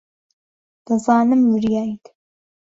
دەزانم وریایت.